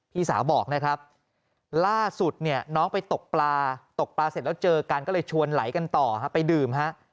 พี่สาวบอกนะครับล่าสุดเนี่ยน้องไปตกปลาตกปลาเสร็จแล้วเจอกันก็เลยชวนไหลกันต่อไปดื่มฮะ